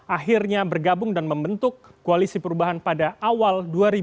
akhirnya bergabung dan membentuk koalisi perubahan pada awal dua ribu dua puluh